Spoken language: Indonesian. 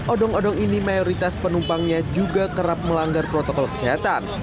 odong odong ini mayoritas penumpangnya juga kerap melanggar protokol kesehatan